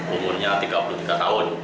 umurnya tiga puluh tiga tahun